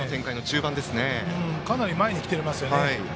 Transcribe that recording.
かなり前に来ていますね。